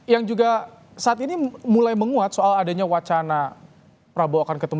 yang juga saat ini mulai menguat soal adanya wacana prabowo akan ketemu